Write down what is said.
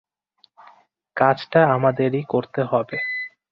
কাজটা আমাদেরই করতে হবে।